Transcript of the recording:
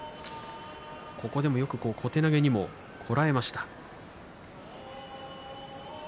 ここでもよく小手投げにこらえました。